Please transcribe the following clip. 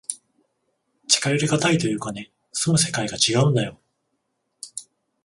近寄りがたいというかね、住む世界がちがうんだよ。